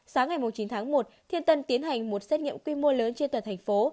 sáng ngày chín tháng một thiên tân tiến hành một xét nghiệm quy mô lớn trên toàn thành phố